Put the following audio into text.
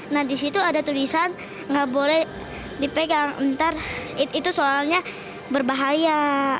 nah di situ ada tulisan nggak boleh dipegang nanti itu soalnya berbahaya